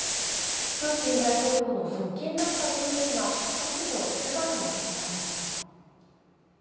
プーチン大統領の側近だった人物が突如、姿を消しました。